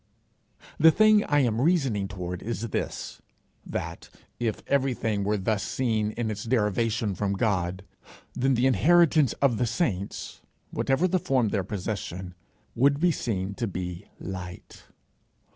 The thing I am reasoning toward is this: that, if everything were thus seen in its derivation from God, then the inheritance of the saints, whatever the form of their possession, would be seen to be light.